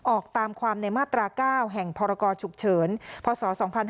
ออกตามความในมาตรา๙แห่งพรกรฉุกเฉินพศ๒๕๕๙